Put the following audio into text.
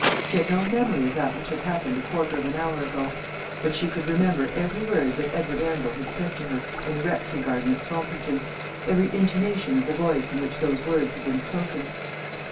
She had no memory of that which had happened a quarter of an hour ago; but she could remember every word that Edward Arundel had said to her in the Rectory garden at Swampington, every intonation of the voice in which those words had been spoken.